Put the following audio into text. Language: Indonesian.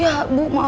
ya ya bu gak apa apa